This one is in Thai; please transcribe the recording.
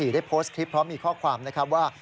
ได้โพสต์คลิปพร้อมมีข้อความนะครับว่า